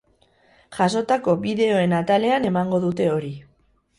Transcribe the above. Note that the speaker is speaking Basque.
Jasotako bideoen atalean emango dute hori.